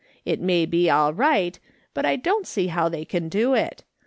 It may be all right, but I don't see how they can do it.